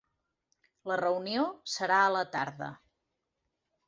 La reunió serà a la tarda.